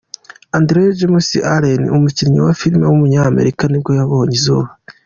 Andrew James Allen, umukinnyi wa film w’umunyamerika nibwo yabonye izuba.